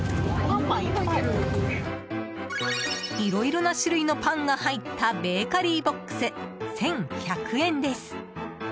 色々な種類のパンが入ったベーカリーＢＯＸ１１００円です。